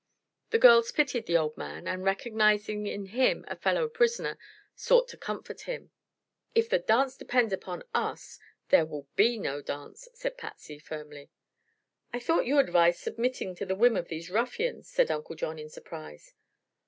The girls pitied the old man and, recognizing in him a fellow prisoner, sought to comfort him. "If the dance depends upon us, there will be no dance," said Patsy, firmly. "I thought you advised submitting to the whim of these ruffians," said Uncle John in surprise.